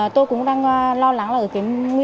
tôi cũng đang lo lắng